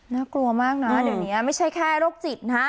น่ากลัวมากนะเดี๋ยวนี้ไม่ใช่แค่โรคจิตนะ